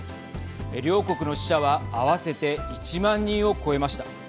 両国の死者は合わせて１万人を超えました。